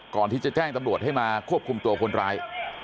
ก่อนที่จะแจ้งตำรวจให้มาควบคุมตัวคนร้าย